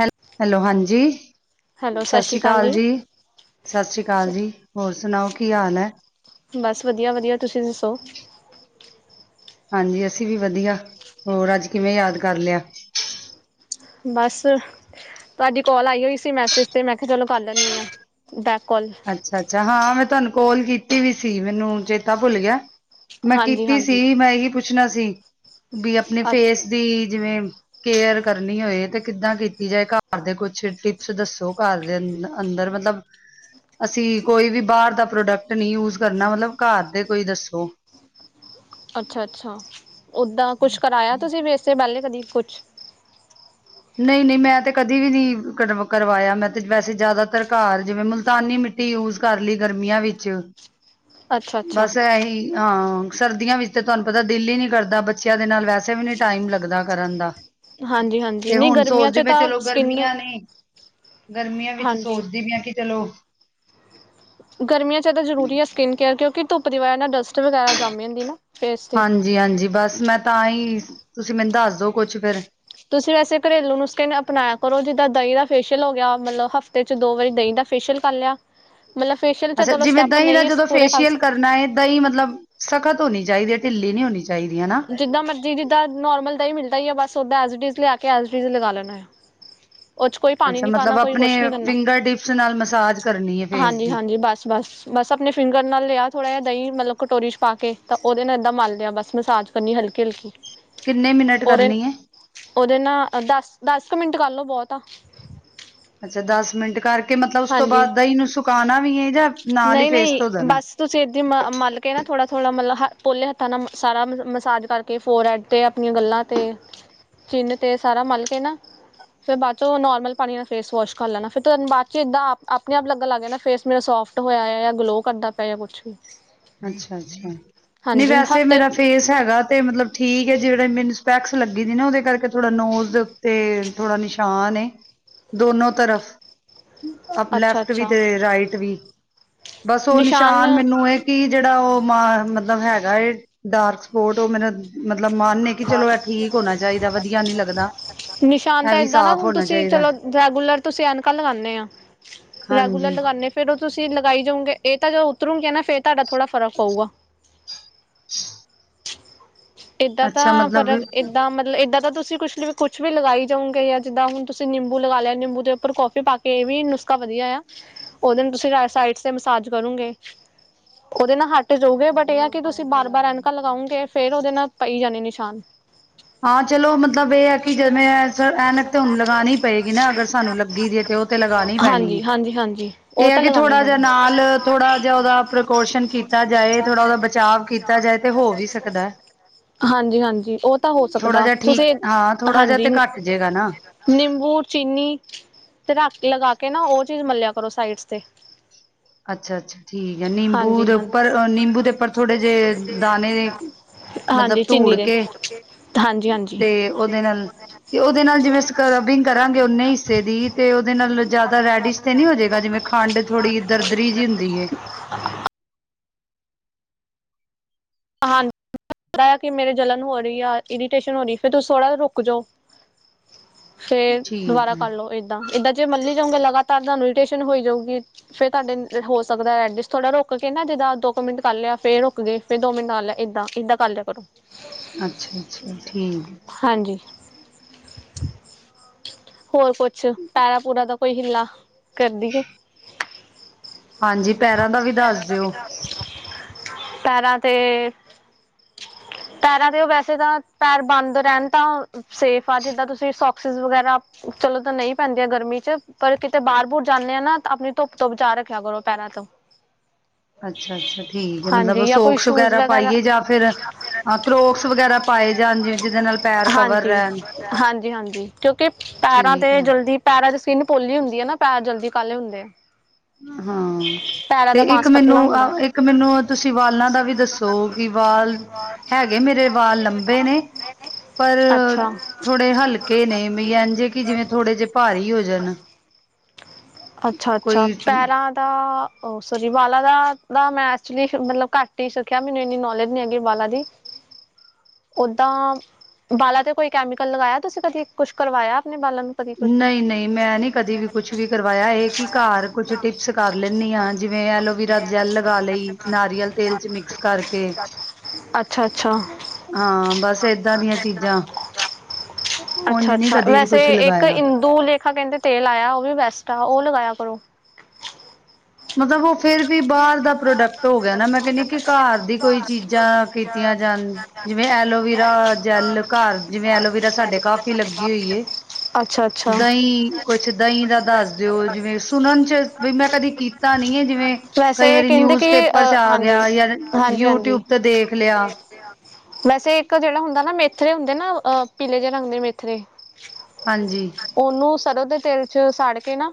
ਹੈ, ਹੈਲੋ, ਹਾਂਜੀ ਸਤਿ ਸ੍ਰੀ ਅਕਾਲ ਜੀ, ਸਤਿ ਸ੍ਰੀ ਅਕਾਲ ਜੀ, ਹੋਰ ਸੁਣਾਓ। ਕੀ ਹਾਲ ਐ? ਬਸ ਵਧੀਆ-ਵਧੀਆ ਤੁਸੀ ਦੱਸੋ। ਹਾਂਜੀ ਅਸੀ ਵੀ ਵਧੀਆ, ਹੋਰ ਅੱਜ ਕਿਵੇਂ ਯਾਦ ਕਰ ਲਿਆ? ਬਸ ਤੁਹਾਡੀ ਕੋਲ ਆਈ ਹੋਈ ਸੀ ਮੈਸੇਜ ਤੇ, ਮੈਂ ਕਿਹਾ ਚਲੋ ਕਰ ਲੈਂਦੀ ਹਾਂ, ਦਾ ਅੱਛਾ-ਅੱਛਾ ਹਾਂ ਹਾਂ ਮੈਂ ਤੁਹਾਨੂੰ ਕੋਲ ਕੀਤੀ ਵੀ ਸੀ, ਮੈਨੂੰ ਚੇਤਾ ਭੁੱਲ ਗਿਆ। ਮੈਂ ਹਾਂਜੀ ਕੀਤੀ ਹਾਂਜੀ ਸੀ, ਮੈਂ ਇਹੀ ਪੁੱਛਨਾ ਸੀ। ਬਈ ਆਪਨੇ ਅ ਫੇਸ ਦੀ ਜਿਵੇਂ ਕੇਅਰ ਕਰਨੀ ਹੋਏ, ਤੇ ਕਿੱਦਾਂ ਕੀਤੀ ਜਾਏ। ਘਰ ਦੇ ਕੁਛ ਟਿਪਸ ਦੱਸੋ, ਘਰ ਦੇ ਅੰ ਅੰਦਰ ਮਤਲਬ। ਅਸੀ ਕੋਈ ਵੀ ਬਾਹਰ ਦਾ ਪ੍ਰੋਡਕਟ ਨਹੀਂ ਯੂਜ ਕਰਨਾ, ਮਤਲਬ ਘਰ ਦੇ ਕੋਈ ਦੱਸੋ। ਅੱਛਾ-ਅੱਛਾ ਉੱਹਦਾਂ ਕੁਛ ਕਰਾਇਆ ਤੁਸੀ ਫੇਸ ਤੇ ਪਹਿਲੇ। ਕਦੀ ਕੁਛ ਨਹੀਂ-ਨਹੀਂ, ਮੈਂ ਤੇ ਕਦੇ ਵੀ ਨਹੀਂ ਕਰਵ ਕਰਵਾਇਆ, ਮੈਂ ਤੇ ਵੈਸੇ ਜਿਆਦਾਤਰ ਘਰ ਜਿਵੇਂ ਮੁਲਤਾਨੀ ਮਿੱਟੀ ਯੂਜ਼ ਕਰ ਲਈ ਗਰਮੀਆਂ ਵਿੱਚ। ਅੱਛਾ ਅੱਛਾ ਬਸ ਐਹੀ, ਹਾਂ। ਸਰਦੀਆਂ ਵਿੱਚ ਤੇ ਤੁਹਾਨੂੰ ਪਤਾ ਦਿਲ ਹੀ ਨੀ ਕਰਦਾ, ਬੱਚਿਆਂ ਦੇ ਨਾਲ ਵੈਸੇ ਵੀ ਨੀ ਟਾਈਮ ਲੱਗਦਾ ਕਰਨ ਦਾ। ਹਾਂਜੀ-ਹਾਂਜੀ। ਤੇ ਹੁਨ ਸੋਚਦੀ ਪਈਆਂ ਚਲੋ ਗਰਮੀਆਂ ਨੇਂ। ਗਰਮੀਆਂ ਵਿੱਚ ਹਾਂਜੀ ਸੋਚਦੀ ਵੀ ਆਂ ਕਿ ਚਲੋ ਗਰਮੀਆਂ ਚ ਜਿਆਦਾ ਜਰੂਰੀ ਆ ਸਕਿਨ ਕੇਅਰ ਕਿਉਕਿ ਧੁੱਪ ਦੀ ਵਜਹ ਨਾ ਡਸਟ ਵਗੈਰਾ ਜੰਮ ਜਾਦੀ ਨਾ। ਫੇਸ ਤੇ ਹਾਂਜੀ-ਹਾਂਜੀ ਬਸ ਮੈਂ ਤਾਂ ਹੀ ਤੁਸੀ ਮੈਨੂੰ ਦੱਸਦੋ ਕੁੱਛ ਫੇਰ। ਤੁਸੀ ਵੈਸੇ ਘਰੇਲੂ ਨੂਸਕੇ ਨੂੰ ਅਪਨਾਇਆ ਕਰੋ, ਜਿੱਹਦਾਂ ਦਹੀ ਦਾ ਫੇਸ਼ੀਅਲ ਹੋ ਗਿਆ, ਮਤਲਬ ਹਫ਼ਤੇ ਚ ਦੋ ਵਾਰੀ ਦਹੀਂ ਦਾ ਫੇਸ਼ੀਅਲ ਕਰ ਲਿਆ। ਮਤਲਬ ਫੇਸ਼ੀਅਲ 'ਚ ਅੱਛਾ ਚਲੋ ਜਿਵੇਂ ਸਟੈਪ ਦਹੀਂ ਦਾ ਨਹੀਂ ਅਸੀਂ ਜਦੋਂ ਪੂਰੇ ਕਰ ਫੇਸ਼ੀਅਲ ਸਕ ਕਰਨਾ ਏ, ਦਹੀਂ ਮਤਲਬ ਸਖਤ ਹੋਨੀ ਚਾਹੀਦੀ ਹੈ ਢਿੱਲੀ ਨਹੀਂ ਹੋਨੀ ਚਾਹੀਦੀ ਹਨਾ ਜਿੱਹਦਾਂ ਮਰਜੀ ਜਿੱਹਦਾਂ ਨੋਰਮਲ ਦਹੀ ਮਿਲਦਾ ਤਾਂ ਹੀ ਯੋ ਬਸ ਓਹਦਾਂ ਐਜ਼ ਇਟਿਜ਼ ਲਿਆ ਕੇ, ਐਜ਼ ਇਟਿਜ਼ ਹੀ ਲਗਾ ਲਇਨਾ ਆ। ਉਹ ਚ ਕੋਈ ਪਾਨੀ ਅੱਛਾ ਨੀ ਪਾਉਨਾ, ਮਤਲਬ ਕੋਈ ਆਪਣੇ ਕੁਛ ਨੀ ਕਰਨਾ, ਫਿੰਗਰ ਟਿਪਸ ਨਾਲ ਮਸਾਜ ਕਰਨੀ ਹੈ ਫੇਸ ਦੀ ਹਾਂਜੀ-ਹਾਂਜੀ, ਬਸ-ਬਸ-ਬਸ ਅਪਨੀ ਫਿੰਗਰ ਨਾਲ ਲਿਆਓ ਥੋੜਾ ਜਿਹਾ। ਦਹੀਂ ਮਤਲਬ ਕਟੋਰੀ ਇਚ ਪਾ ਕੇ, ਤੇ ਉਹਦੇ ਨਾਲ ਤਾ ਮੰਲਦੇ ਆਂ ਬਸ ਮਸਾਜ। ਇਹਨੀ ਹਲਕੀ-ਹਲਕੀ। ਕਿੰਨੇ ਮਿੰਟ ਕਰਨੀ ਹੈ ਉਹਦੇ-ਉਹਦੇ ਨਾ, ਆ ਦਸ-ਦਸ ਕੁ ਮਿੰਟ ਕਰ ਲਓ, ਬਹੁਤ ਆ। ਅੱਛਾ ਦਸ ਮਿੰਟ ਕਰ ਕੇ ਮਤਲਬ ਉਸ ਤੋਂ ਹਾਂਜੀ ਬਾਅਦ ਦਹੀਂ ਨੂੰ ਸੁਕਾਉਣਾ ਵੀ ਹੈ ਜਾਂ ਨਾਲ ਹੀ ਨਹੀਂ ਫੇਸ ਨਹੀਂ ਧੋ ਦੇਣਾ ਬਸ ਤੁਸੀਂ ਏਦੀ ਮ ਮਲ ਕੇ ਨਾ ਥੋੜ੍ਹਾ ਥੋੜ੍ਹਾ ਮਤਲਬ ਹ ਪੋਲੇ ਹੱਥਾਂ ਨਾਲ ਮ ਸਾਰਾ ਮ ਮਸਾਜ ਕਰਕੇ ਫੋਰ ਹੈਡ 'ਤੇ ਆਪਣੀਆਂ ਗੱਲਾਂ 'ਤੇ ਚਿੰਨ੍ਹ 'ਤੇ ਸਾਰਾ ਮਲ ਕੇ ਨਾ ਫਿਰ ਬਾਅਦ 'ਚੋਂ ਨੋਰਮਲ ਪਾਣੀ ਨਾਲ ਫੇਸ ਵੋਸ਼ ਕਰ ਲੈਣਾ ਫਿਰ ਤੁੂੰ ਬਾਅਦ 'ਚ ਇੱਦਾਂ ਆਪ ਆਪਣੇ ਆਪ ਲੱਗਣ ਲੱਗ ਗਿਆ ਨਾ ਫੇਸ ਮੇਰਾ ਸੋਫਟ ਹੋਇਆ ਆ ਜਾਂ ਗਲੋਅ ਕਰਦਾ ਪਿਆ ਜਾਂ ਕੁਛ ਵੀ ਅੱਛਾ ਅੱਛਾ ਨਹੀਂ ਹਾਂਜੀ ਵੈਸੇ ਹਫ਼ਤੇ ਮੇਰਾ ਫੇਸ ਹੈਗਾ ਤੇ ਮਤਲਬ ਠੀਕ ਹੈ ਜਿਹੜਾ ਮੈਨੂੰ ਸਪੈਕਸ ਲੱਗੀ ਸੀ ਨਾ ਉਹਦੇ ਕਰਕੇ ਥੋੜਾ ਨੋਜ਼ ਦੇ ਉੱਤੇ ਥੋੜਾ ਨਿਸ਼ਾਨ ਦੋਨੋ ਤਰਫ ਆਪ ਅੱਛਾ ਲੈਫਟ ਵੀ ਅੱਛਾ ਤੇ ਰਾਈਟ ਵੀ ਬਸ ਉਹ ਨਿਸ਼ਾਨ ਮੈਨੂੰ ਇਹ ਜਿਹੜਾ ਉਹ ਮ ਮਤਲਬ ਹੈਗਾ ਡਾਰਕ ਸਪੋਟ ਉਹ ਮੇਰਾ ਮਤਲਬ ਮਨ ਹੈ ਕਿ ਚਲੋ ਇਹ ਠੀਕ ਹੋਣਾ ਚਾਹੀਦਾ ਵਧੀਆ ਨੀ ਲੱਗਦਾ। ਨਿਸ਼ਾਨ ਇਹ ਤਾਂ ਵੀ ਏਦਾਂ ਨਾ ਸਾਫ਼ ਹੁਣ ਹੋਣਾ ਤੁਸੀਂ ਚਾਹੀਦਾ ਚਲੋ ਰੈਗੂਲਰ ਤੁਸੀਂ ਐਨਕਾ ਲਗਾਉਦੇ ਆ ਰੈਗੂਲਰ ਹਾਂਜੀ ਲਗਾਉਨੇ ਫਿਰ ਤੁਸੀਂ ਲਗਾਈ ਜਾਓਗੇ ਇਹ ਤਾਂ ਜਦੋਂ ਉਤਰੋਂਗਈਆਂ ਨਾ ਫਿਰ ਤੁਹਾਡਾ ਥੋੜ੍ਹਾ ਫਰਕ ਪਊਗਾ ਏਦਾਂ ਅੱਛਾ ਤਾਂ ਮਤਲਬ ਫਰਕ ਏਦਾਂ ਮਤਲਬ ਏਦਾਂ ਦਾ ਤੁ ਤੁਸੀਂ ਕੁਛ ਕੁਛ ਵੀ ਲਗਾਈ ਜਾਉਗੇ ਜਾਂ ਜਿੱਦਾਂ ਹੁਣ ਤੁਸੀਂ ਨਿੰਬੂ ਲਗਾ ਲਿਆ ਨਿੰਬੂ ਦੇ ਉੱਪਰ ਕੌਫੀ ਪਾ ਕੇ ਇਹ ਵੀ ਨੁਸਖਾ ਵਧੀਆ ਆ ਉਹਦੇ ਨਾਲ ਤੁਸੀਂ ਸਾਈਡ ਤੇ ਮਸਾਜ ਕਰੋਗੇ ਉਹਦੇ ਨਾਲ ਹੱਟ ਜਾਉਗੇ ਬਟ ਇਹ ਆ ਕਿ ਤੁਸੀਂ ਬਾਰ ਬਾਰ ਐਨਕਾ ਲਗਾਓਗੇ ਫਿਰ ਉਹਦੇ ਨਾਲ। ਪਈ ਜਾਣੇ ਨਿਸ਼ਾਨ ਹਾਂ ਚਲੋ ਮਤਲਬ ਇਹ ਹੈ ਕਿ ਜਿਵੇਂ ਐਨਕ ਤਾਂ ਹੁਣ ਲਗਾਉਣੀ ਪਏਗੀ ਨਾ ਅਗਰ ਸਾਨੂੰ ਲੱਗੀ ਦੀ ਤੇ ਉਹ ਤੇ ਲਗਾਣੀ ਪੈਣੀ ਹੈ ਹਾਂਜੀ ਹਾਂਜੀ ਹਾਂਜੀ ਉਹ ਇਹ ਆ ਤਾਂ ਕਿ ਲਗਾਉਣੀ ਥੋੜਾ ਜਿਹਾ ਪੈਣੀ ਨਾਲ ਥੋੜਾ ਜਿਹਾ ਉਹਦਾ ਪ੍ਰੀਕੋਸ਼ਨ ਕੀਤਾ ਜਾਏ ਥੋੜ੍ਹਾ ਉਹਦਾ ਬਚਾਵ ਕੀਤਾ ਜਾਏ ਤੇ ਹੋ ਵੀ ਸਕਦਾ। ਹਾਂਜੀ ਹਾਂਜੀ ਉਹ ਹੋ ਥੋੜਾ ਸਕਦਾ ਜਿਹਾ ਠੀਕ ਤੁਸੀਂ ਹਾਂ ਥੋੜਾ ਜਿਹਾ ਹਾਂਜੀ ਤੇ ਘੱਟ ਜੇਗਾ ਨਾ। ਨਿੰਬੂ ਚੀਨੀ ਰਾਤੀ ਲਗਾ ਕੇ ਕੇ ਨਾ ਉਹ ਚੀਜ਼ ਮਲਿਆ ਕਰੋ ਸਾਈਡਸ ਤੇ ਅੱਛਾ ਅੱਛਾ ਠੀਕ ਹੈ ਨਿੰਬੂ ਹਾਂਜੀ ਦੇ ਹਾਂਜੀ ਉੱਪਰ ਨਿੰਬੂ ਦੇ ਉੱਪਰ ਥੋੜੇ ਜਿਹੇ ਦਾਣੇ। ਹਾਂਜੀ ਮਤਲਬ ਧੂੜ ਚੀਨੀ ਦੇ ਕੇ ਹਾਂਜੀ ਹਾਂਜੀ ਤੇ ਉਹਦੇ ਨਾਲ ਤੇ ਉਹਦੇ ਨਾਲ ਜਿਵੇਂ ਸਕਰਬਿੰਗ ਕਰਾਂਗੇ ਓਨੇ ਹਿੱਸੇ ਦੀ ਤੇ ਉਹਦੇ ਨਾਲ ਜ਼ਿਆਦਾ ਰੈਡਿਸ਼ ਤੇ ਨੀ ਹੋ ਜਾਵੇਗਾ ਜਿਵੇਂ ਖੰਡ ਥੋੜ੍ਹੀ ਦਰਦਰੀ ਜਿਹੀ ਹੁੰਦੀ ਹੈ। ਹਾਂਜੀ ਪ ਕਿ ਮੇਰੇ ਜਲਣ ਹੋ ਰਹੀ ਆ ਇਰੀਟੇਸ਼ਨ ਹੋ ਰਹੀ ਫਿਰ ਤੁਸੀਂ ਥੋੜ੍ਹਾ ਜਿਹਾ ਰੁਕ ਜਾਉ। ਫਿਰ ਠੀਕ ਦੁਬਾਰਾ ਹੈ ਕਰਲੋ ਇਦਾ ਏਦਾਂ ਜੇ ਮੱਲੀ ਜਾਊਂਗੇ। ਲਗਾਤਾਰ ਤੁਹਾਨੂੰ ਇਰਿੱਟੇਸ਼ਨ ਹੋ ਜਾਊਗੀ ਫੇਰ ਤੁਹਾਡੇ ਹੋ ਸਕਦਾ ਐਡ ਥੋੜ੍ਹਾ ਰੁਕ ਕੇ ਨਾ ਜਿੱਦਾਂ ਦੋ ਕੁ ਮਿੰਟ ਕਰ ਲਿਆ ਫੇਰ ਰੁਕ ਗਏ। ਫਿਰ ਦੋ ਮਿੰਟ ਨਾਲ ਏਦਾਂ ਏਦਾਂ ਕਰ ਲਿਆ ਕਰੋ। ਅੱਛਾ ਅੱਛਾ ਠੀਕ ਹੈ ਹਾਂਜੀ ਹੋਰ ਕੁਛ ਪੈਰਾ ਪੁਰਾ ਦਾ ਕੋਈ ਹਿੱਲਾ। ਕਰਦੀ ਹੈ। ਹਾਂਜੀ ਪੈਰਾਂ ਦਾ ਵੀ ਦੱਸ ਦਿਓ। ਪੈਰਾਂ ਤੇ ਪੈਰਾਂ ਤੇ ਉਹ ਵੈਸੇ ਤਾਂ ਪੈਰ ਬੰਦ ਰਹਿਣ ਤਾਂ ਸੇਫ ਆ ਜਿੱਦਾਂ ਤੁਸੀਂ ਸੋਕਸਿਸ ਵਗੈਰਾ ਚਲੋ ਤਾਂ ਨਹੀਂ ਪੈਂਦੀਆਂ ਗਰਮੀ ਚ ਪਰ ਕਿਤੇ ਬਾਹਰ ਬੁਹਰ ਜਾਂਦੇ ਆ ਨਾ ਆਪਣੀ ਧੁੱਪ ਤੋਂ ਬਚਾ ਰੱਖਿਆ ਕਰੋ ਪੈਰਾਂ ਤੋਂ ਅੱਛਾ ਅੱਛਾ ਠੀਕ ਹੈ ਮਤਲਬ ਹਾਂਜੀ ਜਾਂ ਕੋਈ ਸੋਕ ਸ਼ੂਜ਼ ਵਗੈਰਾ ਪਾਈਏ ਜਾਂ ਫਿਰ ਕਰੋਕਸ ਵਗੈਰਾ ਪਾਏ ਜਾਣ ਜਿਵੇ ਜਿਹਦੇ ਨਾਲ ਪੈਰ ਕਵਰ ਹਾਂਜੀ ਰਹਿਣ ਹਾਂਜੀ ਹਾਂਜੀ ਠੀਕ ਹੈ। ਵੈਸੇ ਸਕਿਨ ਪੋਲੀ ਹੁੰਦੀ ਹੈ ਨਾ ਪੈਰ ਜਲਦੀ ਕਾਲੇ ਹੁੰਦੇ ਆ। ਹਾਂ ਪੈਰਾਂ ਤੇ ਦਾ ਇੱਕ ਮਾਸ ਮੈਨੂੰ ਪਤਲਾ ਹੁੰਦਾ ਅ ਇੱਕ ਮੈਨੂੰ ਤੁਸੀਂ ਵਾਲਾਂ ਦਾ ਵੀ ਦੱਸੋ ਕਿ ਵਾਲ ਹੈਗੇ ਮੇਰੇ ਵਾਲ ਲੰਬੇ ਨੇ ਪਰ ਅੱਛਾ ਥੋੜੇ ਹਲਕੇ ਨੇ ਇੰਜ ਕਿ ਜਿਵੇਂ ਥੋੜੇ ਜਿਹੇ ਭਾਰੀ ਹੋ ਜਾਣ। ਹ ਅੱਛਾ ਅੱਛਾ ਕੋਈ ਪੈਰਾਂ ਦਾ ਓਹ ਸੋਰੀ ਵਾਲਾਂ ਦਾ ਮੈਂ ਮਤਲਬ ਘੱਟ ਹੀ ਸਿੱਖਿਆ ਮੈਨੂੰ ਇਨੀ ਨੌਲੇਜ ਨ ਹੈਗੀ ਵਾਲਾਂ ਦੀ ਓਦਾਂ ਵਾਲਾਂ ਤੇ ਕੋਈ ਕੈਮੀਕਲ ਲਗਾਇਆ ਤੁਸੀਂ ਕਦੇ ਕੁਛ ਕਰਵਾਇਆ ਆਪਣੇ। ਬਾਲਾਂ ਨੂੰ ਕਦੀ ਕੁਛ ਨਹੀਂ ਨਹੀਂ ਮੈਂ ਨੀ ਕਦੇ ਵੀ ਕੁਛ ਵੀ ਕਰਵਾਇਆ ਇਹ ਕਿ ਘਰ ਕੁਛ ਟਿਪਸ ਕਰ ਲੈਂਦੀ ਹਾਂ ਜਿਵੇਂ ਐਲੋਵੀਰਾ ਜੈਲ ਲਗਾ ਲਈ ਨਾਰੀਅਲ ਤੇਲ ਚ ਮਿਕਸ ਕਰਕੇ ਅੱਛਾ ਅੱਛਾ ਹਾਂ ਬਸ ਏਦਾਂ ਦੀਆਂ ਚੀਜ਼ਾਂ ਉਝ ਅੱਛਾ ਨੀ ਅੱਛਾ ਕਦੇ ਵੀ ਕੁਛ ਵੈਸੇ ਇੱਕ ਲਗਾਇਆ ਇਿੰਦੂ ਲੇਖਾ ਕਹਿੰਦੇ ਤੇਲ ਆਇਆ ਉਹ ਲਗਾਇਆ ਕਰੋ ਮਤਲਬ ਉਹ ਫੇਿਰ ਵੀ ਬਾਹਰ ਦਾ ਪ੍ਰੋਡਕਟ ਹੋ ਗਿਆ ਨਾ ਮੈਂ ਕਹਿੰਨੀ ਕਿ ਘਰ ਦੀ ਕੋਈ ਚੀਜ਼ਾਂ ਕੀਤੀਆਂ ਜਾਣ ਜਿਵੇਂ ਐਲੋਵਰਾ ਜੈਲ ਘਰ ਜਿਵੇਂ ਐਲੋਵਰਾ ਸਾਡੇ ਕਾਫੀ ਲੱਗੀ ਹੋਈਏ ਅੱਛਾ ਅੱਛਾ ਦਹੀਂ ਕੁਛ ਕਹੀਂ ਦਾ ਦੱਸ ਦਿਓ ਜਿਵੇਂ ਸੁਣਨ ਚ ਬਈ ਮੈਂ ਕਦੀ ਤਾਂ ਨੀ ਹੈ ਜਿਵੇਂ ਕਈ ਵੈਸੇ ਵਾਰੀ ਕਹਿੰਦੇ ਨਿਊਜ ਕਿ ਪੇਪਰ ਚ ਅ ਆ ਹਾਂਜੀ ਗਿਆ ਯ ਹਾਂਜੀ ਹਾਂਜੀ ਯੂਟਿਊਬ ਤੇ ਦੇਖ ਲਿਆ ਵੈਸੇ ਇੱਕ ਜਿਹੜਾ ਹੁੰਦਾ ਨਾ ਮੇਥਰੇ ਹੁੰਦੇ ਨਾ ਪੀਲੇ ਜਿਹੇ ਰੰਗ ਦੇ ਮੇਥਰੇ ਹਾਂਜੀ ਉਹਨੂੰ ਸਰੋਂ ਦੇ ਤੇ ' ਸਾੜ ਕੇ ਨਾ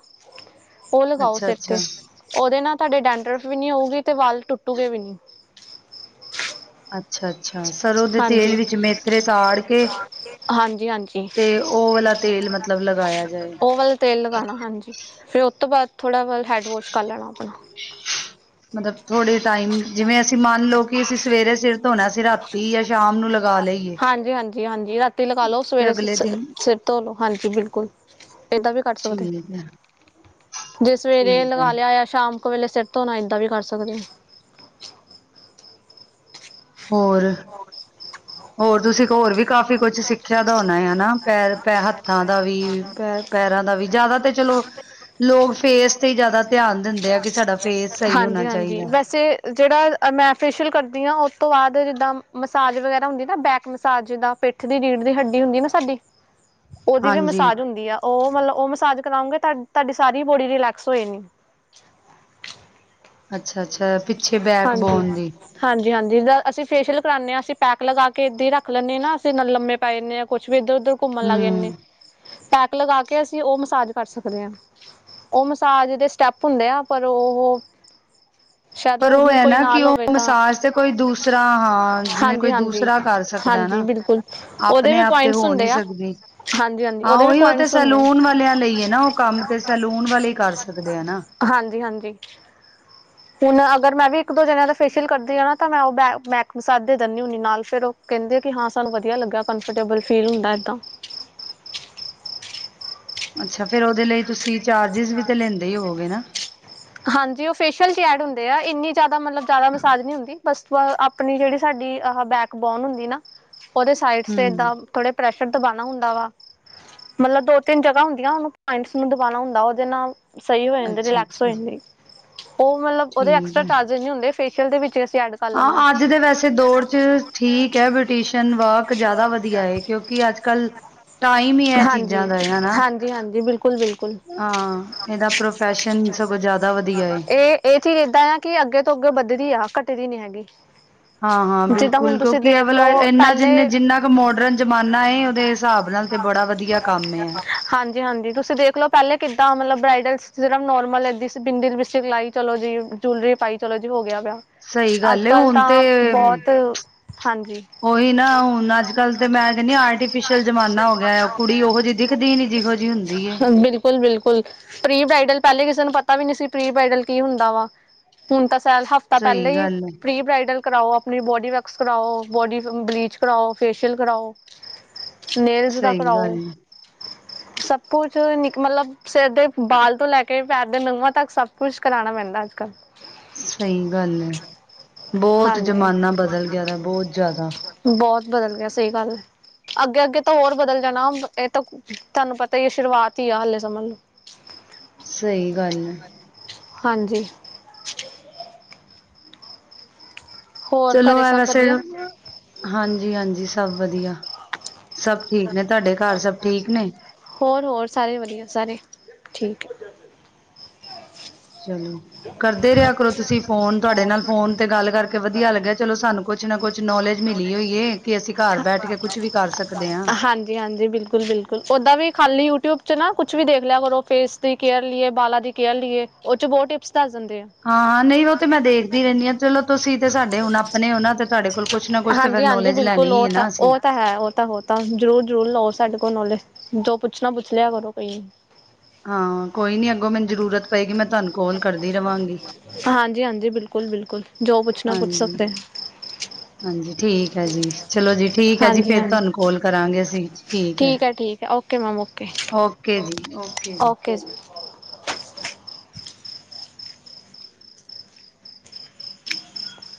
ਉਹ ਲਗਾਓ ਅੱਛਾ ਸਿਰ ਅੱਛਾ ਤੇ ਉਹਦੇ ਨਾਲ ਤੁਹਾਡੇ ਡੈਂ ਡਰਫ ਵੀ ਨੀ ਆਊਗੀ ਤੇ ਵਾਲ ਟੁੱਟੂਗੇ ਵੀ ਨੀ ਅੱਛਾ ਅੱਛਾ ਸਰੋਂ ਦੇ ਤੇਲ ਵਿਚ ਮੇਥਰੇ ਸਾੜ ਕੇ ਹਾਂਜੀ ਹਾਂਜੀ ਤੇ ਉਹ ਵਾਲਾ ਤੇਲ ਮਤਲਬ ਲਗਾਇਆ ਜਾਏ ਉਹ ਵਾਲਾ ਥੋੜਾ ਬਤ ਹ ਮਤਲਬ ਥੋੜੇ ਟਾਈਮ ਜਿਵੇਂ ਅਸੀਂ ਮੰਨਲਓ ਕਿ ਅਸੀਂ ਸਵੇਰੇ ਸਿਰ ਧੋਣਾ ਸੀ ਰਾਤ ਹਾਂਜੀ ਹਾਂਜੀ ਹਾਂਜੀ ਰਾਤੀ ਲਗਾ ਲੋ ਤੇ ਸਵੇਰੇ ਅਗਲੇ ਦਿਨ ਸਿਰ ਤੋਂ ਚਲੋ ਹਾਂਜੀ ਬਿਲਕੁਲ ਇੱਦਾਂ ਵੀ ਕੱਟ ਸਕਦੇ ਠੀਕ ਹੈ ਜੇ ਸਵੇਰੇ ਠੀਕ ਹੈ ਲਗਾ ਲਿਆ ਹੋਇਆ ਸ਼ਾਮ ਇੱਕ ਵੇਲੇ ਸਿੱਟ ਹੋਣਾ ਇੱਦਾਂ ਵੀ ਕਰ ਸਕਦੇ ਹੋਰ ਹੋਰ ਤੁਸੀਂ ਹੋਰ ਵੀ ਕਾਫ਼ੀ ਕੁਛ ਸਿੱਖਿਆ ਦਾ ਹੋਣਾ ਹੈ ਨਾ ਪੈਰ ਪ ਹੱਥਾਂ ਦਾ ਵੀ ਪ ਪੈਰਾਂ ਦਾ ਵੀ ਜ਼ਿਆਦਾ ਤੇ ਚਲੋ ਲੋਕ ਫੇਸ ਤੇ ਹੀ ਜ਼ਿਆਦਾ ਧਿਆਨ ਦਿੰਦੇ ਆ ਕਿ ਸਾਡਾ ਫੇਸ ਸਹੀ ਹੋਣਾ ਹਾਂਜੀ-ਹਾਂਜੀ ਚਾਹੀਦਾ ਵੈਸੇ ਜਿਹੜਾ ਮੈਂ ਫੇਸ਼ਅਲ ਕਰਦੀ ਹਾਂ ਉਹ ਉਸ ਤੋਂ ਬਾਅਦ ਜਿੱਦਾਂ ਮਸਾਜ ਵਗੈਰਾ ਹੁੰਦੀ ਨਾ ਬੈਕ ਮਸਾਜ ਜਿੱਦਾਂ ਪਿੱਠ ਦੀ ਰੀੜ ਦੀ ਹੱਡੀ ਹੁੰਦੀ ਨਾ ਸਾਡੀ ਉਹਦੀ ਵੀ ਹਾਂਜੀ ਮਸਾਜ ਹੁੰਦੀ ਆ ਉਹ ਮਤਲਬ ਉਹ ਮਸਾਜ ਕਰਾਉਂਗੇ ਤੁਹਾ ਤੁਹਾਡੀ ਸਾਰੀ ਬੋਡੀ ਰਿਲੈਕਸ ਹੋਏ ਨੇ ਅੱਛਾ ਅੱਛਾ ਪਿੱਛੇ ਬੈਕ ਹਾਂਜੀ ਬੋਨ ਦੀ ਹਾਂਜੀ ਹਾਂਜੀ ਜਿੱਦਾਂ ਅਸੀਂ ਫੇਸ਼ੀਅਲ ਕਰਾਦੇ ਹਾਂ ਅਸੀਂ ਪੈਕ ਲਗਾ ਕੇ ਇਏਾਂ ਹੀ ਰੱਖ ਲੈਂਦੇ ਹਾਂ ਨਾ ਅਸੀਂ ਨਾਲ ਲਮੇ ਪੈ ਲੈਂਦੇ ਹਾਂ ਕੁਛ ਫ ਇਧਰ ਉੱਧਰ ਘੁੰਮਣ ਲੱਗ ਜਾਂਦੇ ਹਮ ਪੈਕ ਲਗਾ ਕੇ ਅਸੀਂ ਉਹ ਮਸਾਜ ਕਰ ਸਕਦੇ ਹਾਂ ਉਹ ਮਸਾਜ ਦੇ ਸਟੈਪ ਹੁੰਦੇ ਆ ਪਰ ਉਹ ਸ਼ਾਇਦ ਪਰ ਉਹ ਹੈ ਕੋਈ ਨਾ ਕਿ ਨਾਲ ਉਹ ਹੋਵੇ ਤਾਂ ਮਸਾਜ ਤੇ ਕੋਈ ਦੂਸਰਾ ਹਾਂ ਜਿਵੇਂ ਕੋਈ ਹਾਂਜੀ ਹਾਂਜੀ। ਦੂਸਰਾ ਕਰ ਸਕਦਾ ਹਾਂਜੀ ਨਾ ਬਿਲਕੁਲ ਉਹਦੇ ਆਪਣੇ ਵੀ ਆਪ ਤੇ ਪੁਆਇੰਟਸ ਹੋ ਨਹੀਂ ਹੁੰਦੇ ਆ। ਸਕਦੀ ਹਾਂਜੀ ਹਾਂਜੀ ਹਾਂ ਉਹਦੇ ਵੀ ਉਹੀ ਉਹ ਤੇ ਪੁਆਇੰਟਸ ਹੁੰਦੇ ਸੈਲੂਨ ਵਾਲਿਆਂ ਲਈ ਹੈ ਨਾ ਉਹ ਕੰਮ ਤੇ ਸੈਲੂਨ ਵਾਲੇ ਕਰ ਸਕਦੇ ਆ ਨਾ ਹਾਂਜੀ ਹਾਂਜੀ ਹੁਣ ਅਗਰ ਮੈਂ ਵੀ ਇੱਕ ਦੋ ਜਣਿਆਂ ਫੇਸ਼ੀਅਲ ਕਰਦੀ ਹਾਂ ਨਾ ਤਾਂ ਮੈਂ ਉਹ ਬੈਕ ਮਸਦੇ ਦਿੰਦੀ ਹੁੰਦੀ ਨਾਲ ਫਿਰ ਉਹ ਕਹਿੰਦੇ ਆ ਕਿ ਹਾਂ ਸਾਨੂੰ ਵਧੀਆ ਲੱਗਿਆ ਕੰਫਰਟੇਬਲ ਫੀਲ ਹੁੰਦਾ ਏਦਾਂ ਅੱਛਾ ਫੇਿਰ ਉਹਦੇ ਲਈ ਤੁਸੀਂ ਚਾਰਜਿਸ ਵੀ ਤੇ ਲੈਂਦੇ ਹੀ ਹੋਵੋਗੇ ਨਾ ਹਾਂਜੀ ਉਹ ਫੇਸ਼ੀਅਲ ਚ ਐਡ ਹੁੰਦੀ ਇੰਨੀ ਜਿਆਦਾ ਮਤਲਬ ਜਿਆਦਾ ਮਸਾਜ ਨੀ ਹੁੰਦੀ ਬਸ ਆਪਣੀ ਜਿਹੜੀ ਸਾਡੀ ਆਹ ਬੈਕ ਬੋਨ ਹੁੰਦੀ ਨਾ ਉਹਦੇ ਸਾਈਡ ਤੇ ਹਮ ਏਦਾਂ ਥੋੜੇ ਪ੍ਰੈਸ਼ ਦਬਾਨਣਾ ਹੁੰਦਾ ਵਾ ਮਤਲਬ ਦੋ ਤਿੰਨ ਜਗ੍ਹਾ ਹੁੰਦੀਆਂ ਉਹਨਾਂ ਪੁਆਇੰਟਸ ਨੂੰ ਦਬਾਨਣਾ ਹੁੰਦਾ ਵ ਜਨਾ ਸਹੀ ਹੋ ਜਾਂਦੇ ਅੱਛਾ ਰਿਲੈਕਸ ਹੋ ਅੱਛਾ ਜਾਂਦੀ। ਉਹ ਮਤਲਬ ਉਹਦੇ ਠੀਕ ਐਕਸਟਰਾ ਹੈ। ਚਾਰਜ ਨਹੀਂ ਹੁੰਦੇ। ਫੇਸ਼ੀਅਲ ਦੇ ਵਿੱਚ ਐਡ ਕਰ ਲੈਂਦੇ ਹਾਂ ਅੱਜ ਦੇ ਵੈਸੇ ਦੌਰ ਚ ਠੀਕ ਹੈ ਬਊਟੀਸ਼ਨਸ਼ਨ ਵਰਕ ਜ਼ਿਆਦਾ ਵਧੀਆ ਹੈ ਕਿਉਂਕਿ ਅੱਜ ਕੱਲ ਟਾਈਮ ਹੀ ਹੈ ਚੀਜ਼ਾਂ ਦਾ ਹਨਾ ਬਿਲਕੁਲ-ਬਿਲਕੁਲ ਹਾਂ ਇਹਦਾ ਪ੍ਰੋਫੈਸ਼ਨ ਸਗੋਂ ਜ਼ਿਆਦਾ ਵਧੀਆ ਹੈ ਇਹ ਇਹ ਚੀਜ਼ ਏਦਾਂ ਆ ਕਿ ਅੱਗੇ ਤੋਂ ਅੱਗੇ ਵੱਧਦੀ ਆ ਘੱਟਦੀ ਨੀ ਹੈਗੀ ਹਾਂ ਹਾਂ ਜਿੱਦਾਂ ਹੁਣ ਬਿਲਕੁਲ ਤੁਸੀਂ ਕਿਉਂਕਿ ਦੇਖ ਅ ਲਓ ਇਨਾ ਜਿੰ ਪਹਿਲੇ ਜਿੰਨਾ ਕੁ ਮੋਡਰਨ ਜਮਾਨਾ ਓਦੇ ਹਿਸਾਬ ਨਾਲ ਤੇ ਬੜਾ ਵਧਆ ਕੰਮ ਆ ਜੀ ਹਾਂਜੀ ਤੁਸੀਂ ਦੇਖਲੋ ਪਹਿਲੇ ਕਿੱਦਾਂ ਮਤਲਬ ਬ੍ਰਾਈਡਲਿਰਾਾ ਨੋਰਮਲ ਏ ਬਿੰਡਲ ਲਿਪਸਟਿਕ ਲਾਈ ਚਲੋ ਜੀ ਜੂਲਰੀ ਪਾਈ ਚਲੋ ਜੀ ਹੋ ਗਿਆ ਵਿਆਹ ਸਹੀ ਅੱਜ ਗੱਲ ਕੱਲ ਹੁਣ ਤੇ ਤਾਂ ਬਹੁਤ ਹਾਂਜੀ ਉਹੀ ਨਾ ਹੁਣ ਅੱਜ ਕੱਲ ਤੇ ਮੈਂ ਕਹਿੰਦੀ ਆਰਟੀਫਿਸ਼ਲ ਜਮਾਨਾ ਹੋ ਗਿਆ ਕੁੜੀ ਉਹੋ ਜਿਹੀ ਦਿਖਦੀ ਨੀ ਜਿਹੋ ਜਿਹੀ ਹੁੰਦੀ ਹੈ ਬਿਲਕੁਲ ਬਿਲਕੁਲ ਪ੍ਰੀ ਬ੍ਰਾਈਡਲ ਪਹਿਲੇ ਕਿਸੇ ਨੂੰ ਪਤਾ ਵੀ ਨਹੀਂ ਸੀ ਪ੍ਰੀ ਬ੍ਰਾਈਡਲ ਕੀ ਹੁੰਦਾ ਵਾ ਹੁਣ ਤਾਂ ਹਫ਼ਤਾ ਪਹਿਲਾਂ ਸਹੀ ਹੀ ਗੱਲ ਏ ਪ੍ਰੀ ਬ੍ਰਾਈਡਲ ਕਰਾਓ ਆਪਣੀ ਬੋਡੀ ਵਕ ਵਕਸ ਕਰਵਾਓ ਬੋਡੀ ਬਲੀਚ ਕਰਾਓ ਫੇਸ਼ੀਅਲ ਕਰਾਓ ਨੇਲਜ਼ ਦਾ ਸਹੀ ਕਰਾਓ ਗੱਲ ਏ ਸਬ ਕੁਛ ਨੀ ਮਤਲਬ ਸਿਰ ਦੇ ਬਾਲ ਤੋਂ ਲੈ ਕੇ ਪੈਰ ਦੇ ਨੂੰਹਾਂ ਤੱਕ ਸਭ ਕੁਛ ਕਰਾਉਣਾ ਪੈਂਦਾ ਅੱਜ ਕੱਲ੍ਹ ਸਹੀ ਗੱਲ ਹੈ ਬਹੁਤ ਹਾਂਜੀ ਜ਼ਮਾਨਾ ਬਦਲ ਗਿਆ ਬਹੁਤ ਜ਼ਿਆਦਾ ਬਹੁਤ ਬਦਲ ਗਿਆ ਸਹੀ ਗੱਲ ਹੈ ਅੱਗੇ-ਅੱਗੇ ਤਾਂ ਹੋਰ ਬਦਲ ਜਾਣਾ ਇਹ ਤਾਂ ਤੁਹਾਨੂੰ ਪਤਾ ਹੀ ਆ ਸ਼ੁਰੂਆਤ ਤੀਆ ਹਲੇ ਸਮਲ ਲੋ। ਸਹੀ ਗੱਲ ਐ। ਹਾਂਜੀ। ਹੋਰ ਚਲੋ ਘਰੇ ਐ ਸਭ ਵੈਸੇ ਵਧੀਆ ਨਾ, ਹਾਂਜੀ ਹਾਂਜੀ ਸ ਸਭ ਵਧੀਆ, ਸਭ ਠੀਕ ਨੇ। ਤਾਡੇ ਘਰ ਸਭ ਠੀਕ ਨੇ? ਹੋਰ, ਹੋਰ ਸਾਰੇ ਵਧੀਆ ਸਾਰੇ, ਠੀਕ। ਚਲੋ ਕਰਦੇ ਰਿਹਾ ਕਰੋ ਤੁਸੀਂ ਫੋਨ। ਤੁਆਡੇ ਨਾਲ ਫੋਨ ਤੇ ਗੱਲ ਕਰਕੇ ਵਧੀ ਵਧੀਆ ਲਗਾ, ਚਲੋ ਸਾਨੂੰ ਕੁਛ ਨਾ ਕੁਛ ਨੌਲੇਜ ਮਿਲੀ ਹੋਈ ਏ ਕਿ ਅਸੀਂ ਘਰ ਬੈਠ ਕੇ ਕੁਛ ਵੀ ਕਰ ਸਕਦੇ ਹਾਂ। ਹਾ। ਹਾਂਜੀ ਹਾਂਜੀ, ਬਿਲਕੁਲ-ਬਿਲਕੁਲ, ਓਦਾਂ ਵੀ ਖਾਲੀ ਯੂਟਿਊਬ ਚ ਨਾ ਕੁਛ ਵੀ ਦੇਖ ਲਿਆ ਕਰੋ। ਫੇਸ ਦੀ ਕੇਅਰ ਲੀਏ, ਬਾਲਾਂ ਦੀ ਕੇਅਰ ਲੀਏ। ਓ ਚ ਬਹੁ ਟਿਪਸ ਦੱਸ ਦਿੰਦੇ ਆ। ਹਾਂ ਨਹੀਂ ਉਹ ਤੇ ਮੈਂ ਦੇਖਦੀ ਰਹਿੰਨੀ ਆਂ। ਚਲੋ ਤੁਸੀਂ ਤੇ ਸਾਡੇ ਹੁਣ ਆਪਣੇ ਓ ਨਾ ਤੇ ਤਾਡੇ ਕੋਲ਼ ਕੁਛ ਨਾ ਕੁਛ ਤੇ ਫਿਰ ਹਾਂਜੀ ਹਾਂਜੀ ਨੌਲੇਜ ਬਿਲਕੁਲ। ਲੈਣੀ ਹੀ ਉਹ ਹੈ ਤਾਂ ਨਾ ਅਸੀਂ ਉਹ ਤਾਂ ਹੈ। ਉਹ ਤਾਂ ਉਹ ਤਾਂ। ਜ਼ਰੂਰ ਜ਼ਰੂਰ ਲਓ ਸਾਡੇ ਕੋਲੋ ਨੌਲੇਜ। ਜੋ ਪੁੱਛਣਾ ਪੁੱਛ ਲਿਆ ਕਰੋ ਭਈ। ਹਾਂ। ਕੋਈ ਨੀ ਅੱਗੋਂ ਮੈਨੂੰ ਜ਼ਰੂਰਤ ਪਏਗੀ। ਮੈਂ ਤੁਹਾਨੂੰ ਕੋਾਲ ਕਰਦੀ ਰਵਾਂਗੀ। ਕੁਲ-ਬਿਲਕੁਲ। ਜੋ ਪੁਛਨਾਂ ਪੁੱਛ ਹਾਂਜੀ ਸਕਦੇ। ਹਾਂਜੀ ਠੀਕ ਐ ਜੀ। ਚਲੋ ਜੀ ਠੀਕ ਐ ਜੀ, ਫਿਰ ਹਾਂਜੀ-ਹਾਂਜੀ ਤੁਹਾਨੂੰ ਕੋਲ ਕਰਾਂਗੇ ਅਸੀਂ। ਠੀਕ ਐ। ਹੈ ਠੀਕ ਹੈ ਓਕੇ ਮੈਮ ਓਕੇ ਜੀ, ਓਕੇ ਜੀ।